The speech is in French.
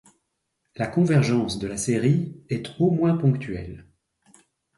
La convergence de la série est au moins ponctuelle.